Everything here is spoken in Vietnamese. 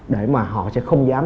để mà họ sẽ không dám